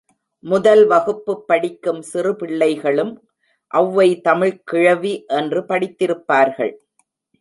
முதல்வகுப்புப் படிக்கும் சிறுபிள்ளைகளும் ஒளவை தமிழ்க்கிழவி என்று படித்திருப்பார்கள்.